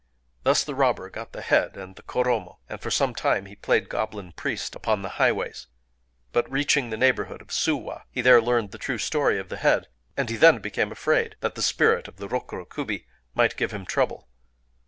Thus the robber got the head and the koromo; and for some time he played goblin priest upon the highways. But, reaching the neighborhood of Suwa, he there leaned the true story of the head; and he then became afraid that the spirit of the Rokuro Kubi might give him trouble.